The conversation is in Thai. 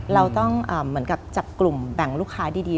เราต้องเหมือนกับจับกลุ่มแบ่งลูกค้าดี